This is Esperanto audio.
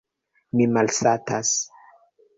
Mi malsatas.